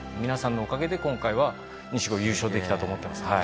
皆さんのおかげで今回は錦鯉優勝できたと思ってます。